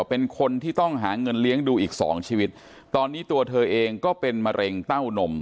เป็นคนที่ต้องหาเงินเลี้ยงดูอีกสองชีวิตตอนนี้ตัวเธอเองก็เป็นมะเร็งเต้านม